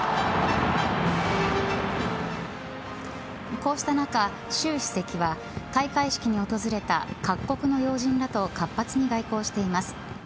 こうした中、習主席は開会式に訪れた各国の要人らと活発に外交しています。